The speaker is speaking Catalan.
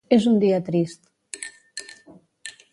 És un dia trist.